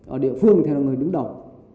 ở địa phương thì là người đứng đầu